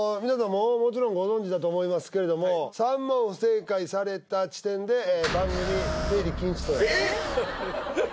もちろんご存じだと思いますけれども３問不正解された時点で番組出入り禁止とえっ！？